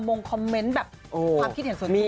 งงคอมเมนต์แบบความคิดเห็นส่วนตัว